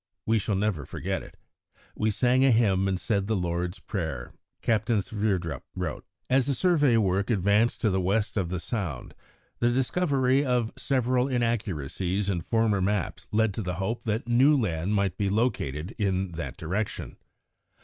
We shall never forget it. We sang a hymn and said the Lord's Prayer," Captain Sverdrup wrote. As the survey work advanced to the west of the Sound, the discovery of several inaccuracies in former maps led to the hope that new land might be located in that direction.